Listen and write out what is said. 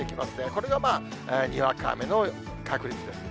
これがにわか雨の確率です。